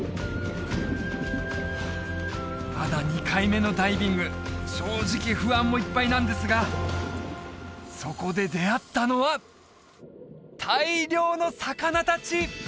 まだ２回目のダイビング正直不安もいっぱいなんですがそこで出会ったのは大量の魚達！